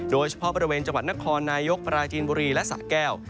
โดยเฉพาะบริเวณจังหวัดนครนายกปราจีนบุรีและสะแก้ว